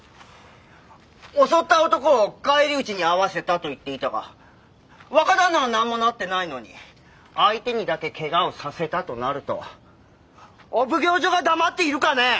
襲った男を返り討ちに遭わせたと言っていたが若旦那は何もなってないのに相手にだけ怪我をさせたとなるとお奉行所が黙っているかね？